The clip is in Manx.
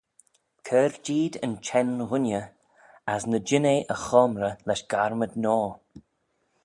Cur jeed yn çhenn ghooinney as ny jean eh y choamrey lesh garmad noa.